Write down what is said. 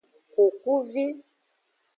Kukuvi.